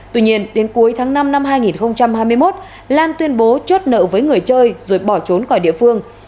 tuy nhiên đến cuối tháng năm năm hai nghìn hai mươi một lan tuyên bố chốt nợ với người chơi rồi bỏ trốn khỏi địa phương